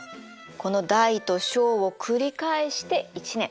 この大と小を繰り返して１年。